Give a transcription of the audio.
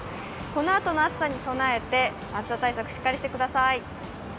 このあとの暑さに備えて暑さ対策しっかりしてください。